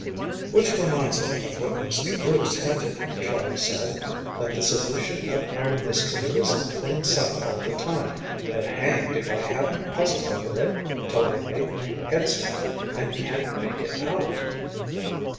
"Which reminds me of what Mr. Bruce hinted," Charley said, "that the solution of our mystery was in plain sight all the time, but hanged if I haven't puzzled over it till I made my head swim and can't make it out."